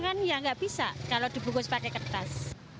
kan ya nggak bisa kalau dibungkus pakai kertas